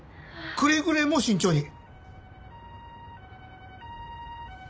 くれぐれも慎重に。